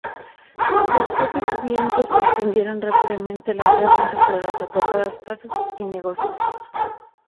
Los fuertes vientos extendieron rápidamente las llamas entre las apretadas casas y negocios.